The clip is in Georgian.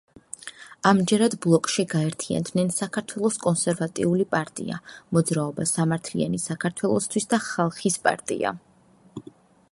ამჯერად ბლოკში გაერთიანდნენ საქართველოს კონსერვატიული პარტია, მოძრაობა სამართლიანი საქართველოსთვის და ხალხის პარტია.